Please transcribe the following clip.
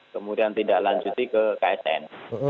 kemudian tindak lanjuti ke ksn